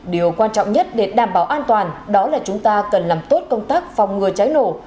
điều quan trọng nhất để đảm bảo an toàn đó là chúng ta cần làm tốt công tác phòng ngừa cháy nổ